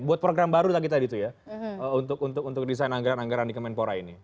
buat program baru tadi tadi tuh ya untuk desain anggaran anggaran di kemenpora ini